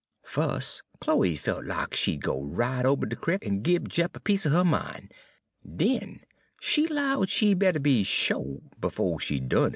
"Fus' Chloe felt lack she 'd go right ober de crick en gib Jeff a piece er her min'. Den she 'lowed she better be sho' befo' she done anythin'.